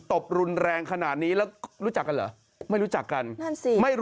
พอหนูชิ้นเงินแล้วหนูกำลังจะยืมเงินให้